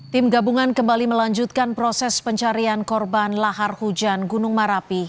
tim gabungan kembali melanjutkan proses pencarian korban lahar hujan gunung merapi